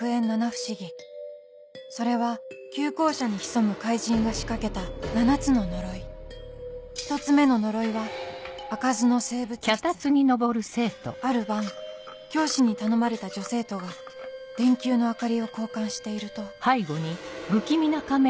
不思議それは旧校舎に潜む怪人が仕掛けた７つの呪い１つ目の呪いは「あかずの生物室」ある晩教師に頼まれた女生徒が電球の明かりを交換しているとうっ！